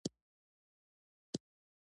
آیا دوی د خوړو کیفیت نه ګوري؟